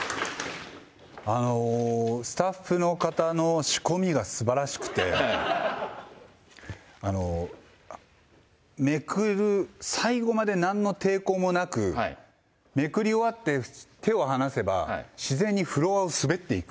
あの、スタッフの方の仕込みがすばらしくて、めくる、最後までなんの抵抗もなく、めくり終わって手を離せば、自然にフロアを滑っていく。